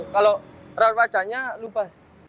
kalau raracanya lupa